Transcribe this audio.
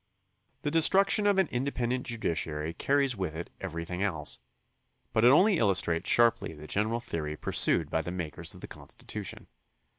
The destruction of an independent judiciary carries with it everything else, but it only illustrates sharply the general theory pursued by the makers of the Con stitution.